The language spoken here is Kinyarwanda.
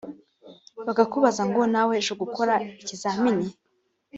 bakakubaza ngo ‘nawe uje gukora ikizamini